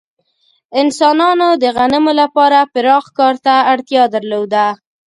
انسانانو د غنمو لپاره پراخ کار ته اړتیا درلوده.